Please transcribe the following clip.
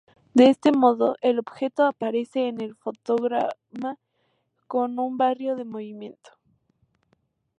De este modo el objeto aparece, en el fotograma, con un barrido de movimiento.